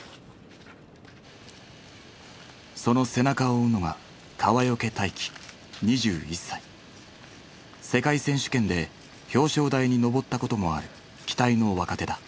その背中を追うのが世界選手権で表彰台に上ったこともある期待の若手だ。